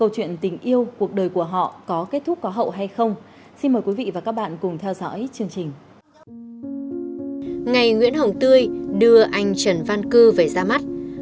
xin chào các bạn